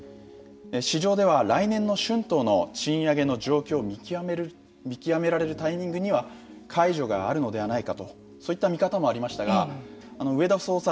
市場では来年の春闘の賃上げ状況を見極められるタイミングでは解除があるのではないかとそういった見方もありましたが植田総裁